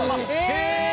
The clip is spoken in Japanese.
へえ！